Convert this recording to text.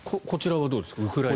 こちらはどうですか？